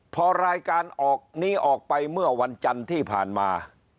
พอรายการออกนี้ออกไปเมื่อวันจันทร์ที่ผ่านมา